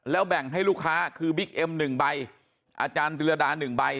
แบ่งให้ลูกค้าคือบิ๊กเอ็ม๑ใบอาจารย์วิรดา๑ใบ